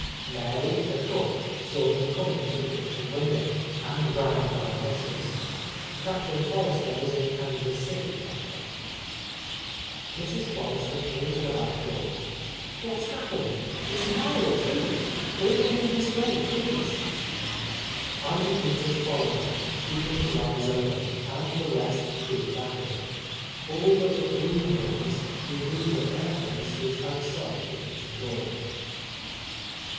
Mary, the cook, saw them coming from the kitchen window, and ran for her mistress. Cap tain Forrester was in Kansas City that day. Mrs. Forrester came to the back door. "What's happened? It's Kiel, too! Bring him in this way, please." Ivy Peters followed her, keeping his eyes open, and the rest trooped after him, — all but the Blum boys, who knew that their place was outside the kitchen door.